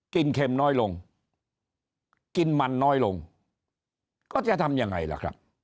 เค็มน้อยลงกินมันน้อยลงก็จะทำยังไงล่ะครับ